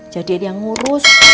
jadi ada yang ngurus